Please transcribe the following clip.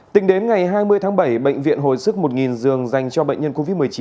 tính đến ngày hai mươi tháng bảy bệnh viện hồi sức một giường dành cho bệnh nhân covid một mươi chín